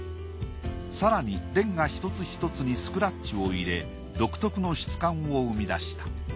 更にレンガ一つひとつにスクラッチを入れ独特の質感を生み出した。